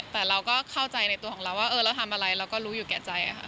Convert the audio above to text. แต่เราก็เข้าใจในตัวของเราว่าเราทำอะไรเราก็รู้อยู่แก่ใจค่ะ